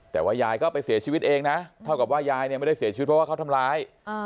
แต่ว่ายายก็ไปเสียชีวิตเองนะเท่ากับว่ายายเนี่ยไม่ได้เสียชีวิตเพราะว่าเขาทำร้าย